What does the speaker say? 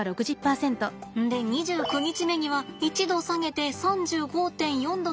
で２９日目には１℃下げて３５．４℃にします。